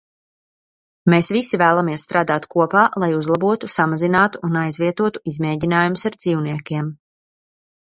Mēs visi vēlamies strādāt kopā, lai uzlabotu, samazinātu un aizvietotu izmēģinājumus ar dzīvniekiem.